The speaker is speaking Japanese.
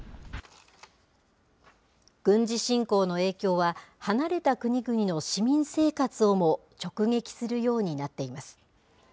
軍事侵攻の影響は、離れた国々の市民生活をも直撃するようになっています。